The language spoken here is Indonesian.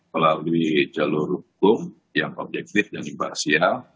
melalui jalur hukum yang objektif dan imparsial